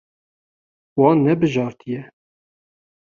Wan nebijartiye.